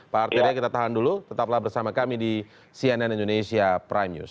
pak arteria kita tahan dulu tetaplah bersama kami di cnn indonesia prime news